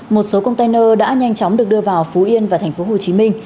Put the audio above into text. một số container đã nhanh chóng được đưa vào phú yên và tp hcm